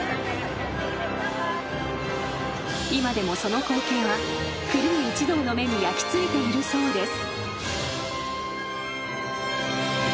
［今でもその光景はクルー一同の目に焼き付いているそうです］